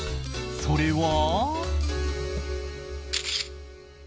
それは。